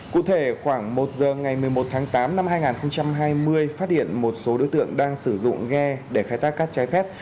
cụ thể khoảng một giờ ngày một mươi một tháng tám năm hai nghìn hai mươi phát hiện một số đối tượng đang sử dụng ghe để khai thác cát trái phép